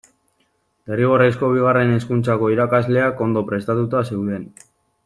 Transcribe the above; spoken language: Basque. Derrigorrezko Bigarren Hezkuntzako irakasleak ondo prestatuta zeuden.